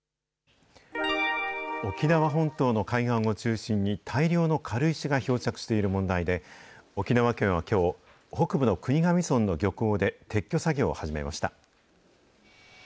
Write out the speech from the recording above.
沖縄本島の海岸を中心に大量の軽石が漂着している問題で、沖縄県はきょう、北部の国頭村の漁港で撤去作業を始めました。